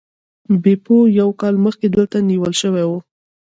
بیپو یو کال مخکې دلته نیول شوی و.